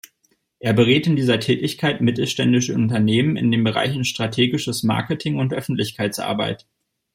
Er berät in dieser Tätigkeit mittelständische Unternehmen in den Bereichen Strategisches Marketing und Öffentlichkeitsarbeit.